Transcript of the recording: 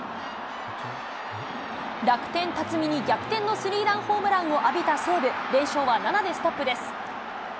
楽天、辰己に逆転のスリーランホームランを浴びた西武、連勝は７でスト